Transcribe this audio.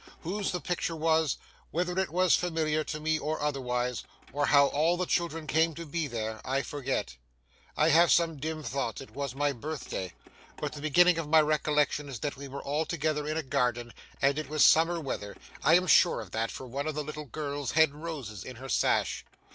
Whose the picture was, whether it was familiar to me or otherwise, or how all the children came to be there, I forget; I have some dim thought it was my birthday, but the beginning of my recollection is that we were all together in a garden, and it was summer weather,—I am sure of that, for one of the little girls had roses in her sash.